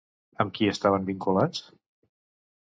Amb qui estaven vinculats?